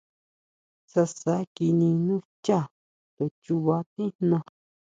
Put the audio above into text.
Sasa kini nú xchá, to chuba tijna.